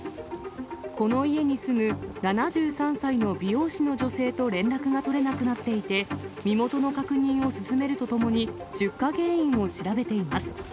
この家に住む７３歳の美容師の女性と連絡が取れなくなっていて、身元の確認を進めるとともに、出火原因を調べています。